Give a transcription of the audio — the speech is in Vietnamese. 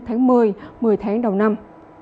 tháng một mươi một mươi tháng đầu năm